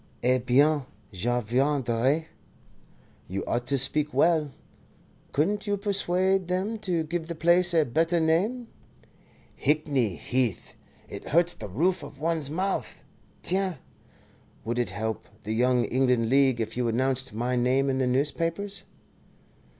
"Eh bien, je viendrai. You ought to speak well. Couldn't you persuade them to give the place a better name? Hickney Heath! It hurts the roof of one's mouth. Tiens would it help the Young England League if you announced my name in the newspapers?"